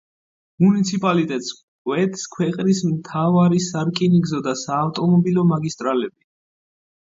მუნიციპალიტეტს კვეთს ქვეყნის მთავარი სარკინიგზო და საავტომობილო მაგისტრალები.